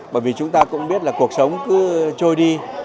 bởi vì chúng ta cũng biết là cuộc sống cứ trôi đi